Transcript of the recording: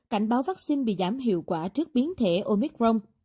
cảnh báo vaccine bị giảm hiệu quả trước biến thể omicron